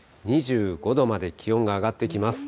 ２５度まで気温が上がってきます。